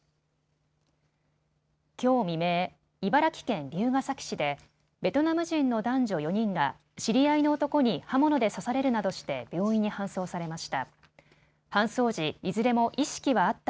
きょう未明、茨城県龍ケ崎市でベトナム人の男女４人が知り合いの男に刃物で刺されるなどして病院に搬送されました。